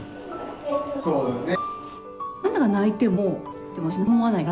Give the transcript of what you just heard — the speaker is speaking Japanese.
そうだよね。